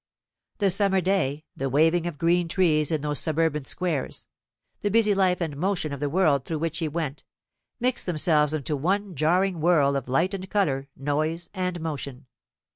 The summer day, the waving of green trees in those suburban squares; the busy life and motion of the world through which he went, mixed themselves into one jarring whirl of light and colour, noise and motion.